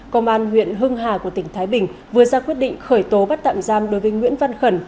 công an huyện hưng hà của tỉnh thái bình vừa ra quyết định khởi tố bắt tạm giam đối với nguyễn văn khẩn